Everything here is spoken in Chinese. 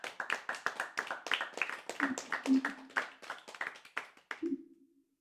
该岛由一个巨大的盾状火山构成